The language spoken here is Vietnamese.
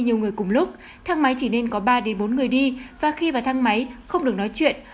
nhiều người cùng lúc thang máy chỉ nên có ba bốn người đi và khi vào thang máy không được nói chuyện